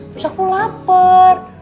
terus aku lapar